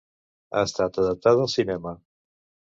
Ha estat adaptada al cinema.